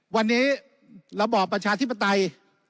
วันนี้ระบอบประชาธิปไตย